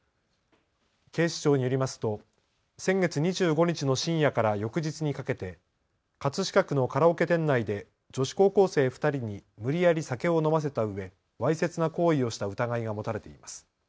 警視庁によりますと先月２５日の深夜から翌日にかけて葛飾区のカラオケ店内で女子高校生２人に無理やり酒を飲ませたうえ、わいせつな行為をした疑いが持たれています。